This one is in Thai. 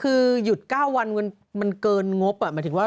คือหยุด๙วันมันเกินงบหมายถึงว่า